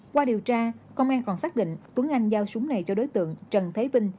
qua điều tra công an còn xác định tuấn anh giao súng này cho đối tượng trần thế vinh